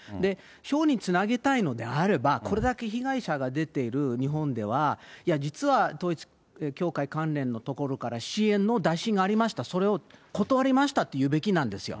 票につなげたいのであれば、これだけ被害者が出ている日本では、いや、実は、統一教会関連のところから支援の打診がありました、それを断りましたと言うべきなんですよ。